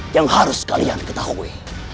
yang harus kalian ketahui